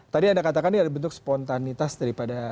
tadi anda katakan ini ada bentuk spontanitas daripada